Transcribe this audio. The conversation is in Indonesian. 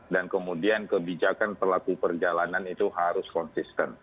dan kemudian kebijakan pelaku perjalanan itu harus konsisten